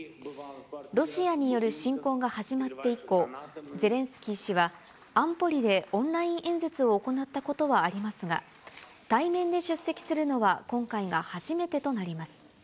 ロシアによる侵攻が始まって以降、ゼレンスキー氏は安保理でオンライン演説を行ったことはありますが、対面で出席するのは今回が初めてとなります。